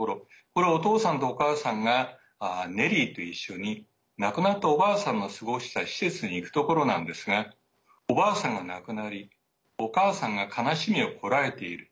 これはお父さんとお母さんがネリーと一緒に亡くなったおばあさんの過ごした施設に行くところなんですがおばあさんが亡くなりお母さんが悲しみをこらえている。